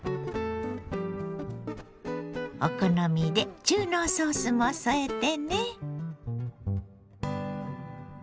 お好みで中濃ソースも添えてね。